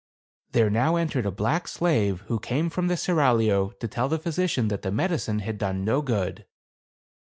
There now entered a black slave who came from the seraglio, to tell the physician that the medicine had done no good.